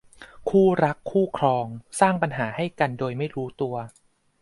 คู่รักคู่ครองสร้างปัญหาให้กันโดยไม่รู้ตัว